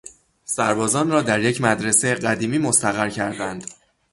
سربازان را در یک مدرسه قدیمی مستقر کردند.